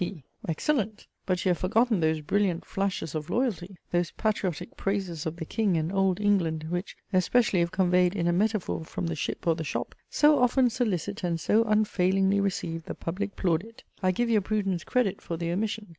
P. Excellent! But you have forgotten those brilliant flashes of loyalty, those patriotic praises of the King and Old England, which, especially if conveyed in a metaphor from the ship or the shop, so often solicit and so unfailingly receive the public plaudit! I give your prudence credit for the omission.